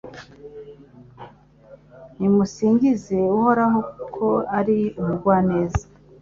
Nimusingize Uhoraho kuko ari umugwaneza